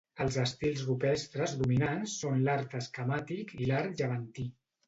Els estils rupestres dominants són l'art esquemàtic i l'art llevantí.